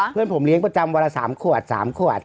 เพื่อนผมเลี้ยงประจำวันละ๓ขวด๓ขวด